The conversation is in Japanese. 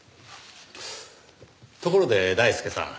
ところで大輔さん。